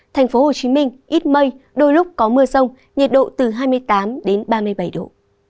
thành phố hồ chí minh ít mây đôi lúc có mưa rông nhiệt độ từ hai mươi tám đến ba mươi bảy độ